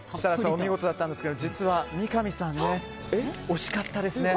お見事だったんですが実は三上さん、惜しかったですね。